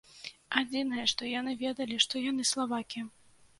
Адзінае, што яны ведалі, што яны славакі.